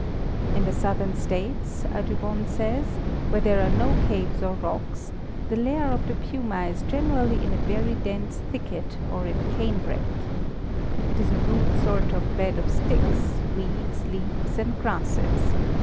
In the southern states, Audubon says, where there are no caves or rocks, the lair of the puma is generally in a very dense thicket or in a canebrake. It is a rude sort of bed of sticks, weeds, leaves and grasses.